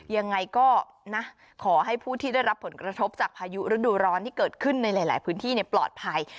ยังไงก็นะขอให้ผู้ที่ได้รับผลกระทบจากพายุฤดูร้อนที่เกิดขึ้นในหลายพื้นที่ปลอดภัย